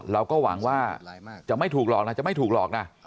เราก็หวังว่าจะไม่ถูกหลอกนะ